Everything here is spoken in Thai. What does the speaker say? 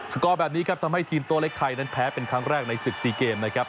กอร์แบบนี้ครับทำให้ทีมโต้เล็กไทยนั้นแพ้เป็นครั้งแรกในศึก๔เกมนะครับ